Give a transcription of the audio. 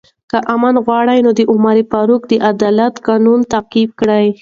که امن غواړئ، نو د عمر فاروق د عدالت قانون تعقیب کړئ.